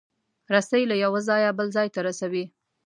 رسۍ له یو ځایه بل ځای ته رسوي.